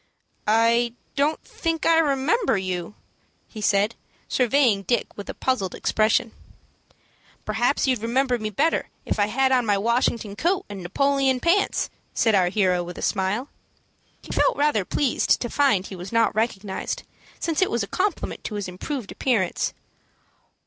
"I don't think I remember you," he said, surveying Dick with a puzzled expression. "Perhaps you'd remember me better if I had on my Washington coat and Napoleon pants," said our hero, with a smile. He felt rather pleased to find he was not recognized, since it was a compliment to his improved appearance.